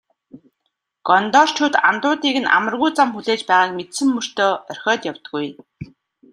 Гондорчууд андуудыг нь амаргүй зам хүлээж байгааг мэдсэн мөртөө орхиод явдаггүй.